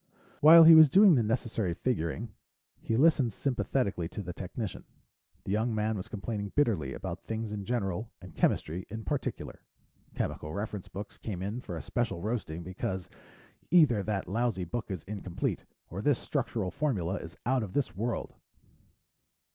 While he was doing the necessary figuring, he listened sympathetically to the technician. The young man was complaining bitterly about things in general, and chemistry in particular. Chemical reference books came in for a special roasting, because: "either that lousy book is incomplete, or this structural formula is out of this world."